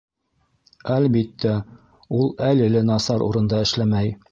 Әлбиттә, ул әле лә насар урында эшләмәй.